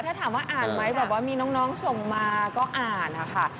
ถ้าถามว่าอ่านไหมแบบว่ามีน้องส่งมาก็อ่านนะคะ